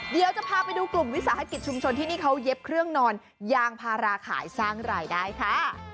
เดี๋ยวจะพาไปดูกลุ่มวิสาหกิจชุมชนที่นี่เขาเย็บเครื่องนอนยางพาราขายสร้างรายได้ค่ะ